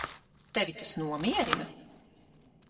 Tevi tas nomierina?